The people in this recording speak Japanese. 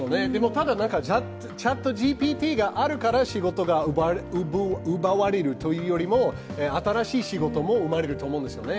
ただ、ＣｈａｔＧＰＴがあるから仕事が奪われるというよりも新しい仕事も生まれると思うんですよね。